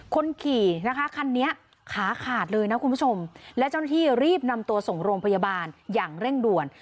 คนขี่นะคะคันนี้ขาขาดเลยนะคุณผู้ชมและเจ้าหน้าที่รีบนำตัวส่งโรงพยาบาลอย่างเร่งด่วน